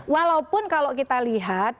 walaupun kalau kita lihat